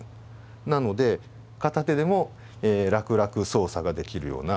なので片手でも楽々操作ができるような設計になってます。